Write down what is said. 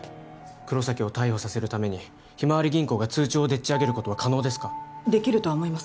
黒崎を逮捕させるためにひまわり銀行が通帳をでっち上げることは可能ですかできるとは思います